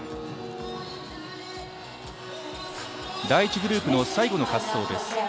第１グループの最後の滑走です。